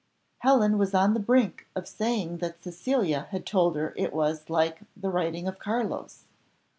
Helen was on the brink of saying that Cecilia had told her it was like the writing of Carlos.